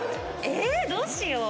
えどうしよう。